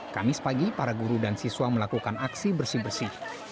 kamis pagi para guru dan siswa melakukan aksi bersih bersih